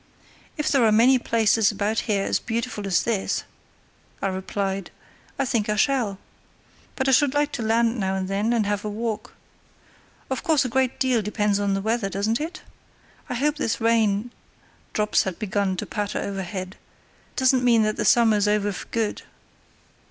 "If there are many places about here as beautiful as this," I replied, "I think I shall. But I should like to land now and then and have a walk. Of course, a great deal depends on the weather, doesn't it? I hope this rain" (drops had begun to patter overhead) "doesn't mean that the summer's over for good."